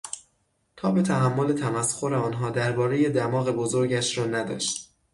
تاب تحمل تمسخر آنها دربارهی دماغ بزرگش را نداشت.